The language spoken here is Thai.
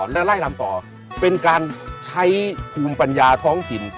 และไล่ลำต่อเป็นการใช้ภูมิปัญญาท้องถิ่น